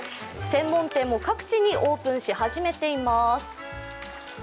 専門店も各地にオープンし始めています。